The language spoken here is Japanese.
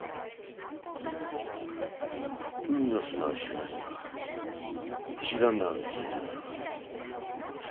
海の砂は知らねえが石段のある神社なら。